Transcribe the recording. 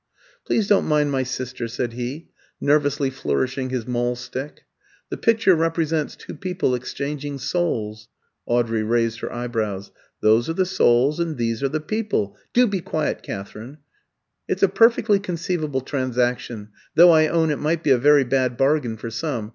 "Please don't mind my sister," said he, nervously flourishing his maul stick. "The picture represents two people exchanging souls" Audrey raised her eyebrows: "those are the souls, and these are the people do be quiet, Katherine! It's a perfectly conceivable transaction, though I own it might be a very bad bargain for some.